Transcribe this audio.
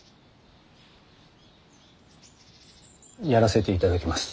やらせていただきます。